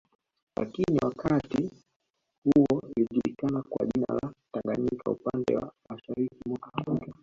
Lakini wakati huo ilijulikana kwa jina la Tanganyika upande wa Mashariki mwa Afrika